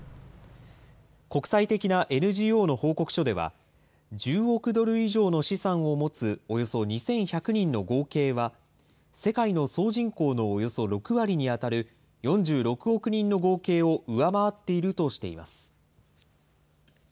国際的なＮＧＯの報告書では、１０億ドル以上の資産を持つおよそ２１００人の合計は、世界の総人口のおよそ６割に当たる、４６億人の合計を上回っているとしています。